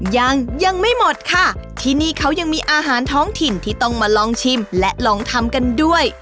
ยังยังไม่หมดค่ะที่นี่เขายังมีอาหารท้องถิ่นที่ต้องมาลองชิมและลองทำกันด้วย